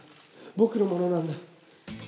僕のものなんだ。